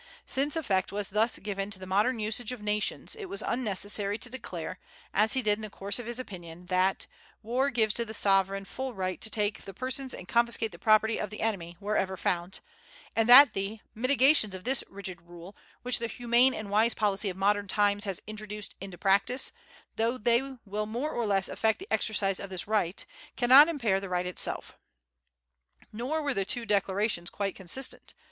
Since effect was thus given to the modern usage of nations, it was unnecessary to declare, as he did in the course of his opinion, that "war gives to the sovereign full right to take the persons and confiscate the property of the enemy, wherever found," and that the "mitigations of this rigid rule, which the humane and wise policy of modern times has introduced into practice," though they "will more or less affect the exercise of this right," "cannot impair the right itself." Nor were the two declarations quite consistent.